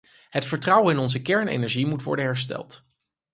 Het vertrouwen in onze kernenergie moet worden hersteld.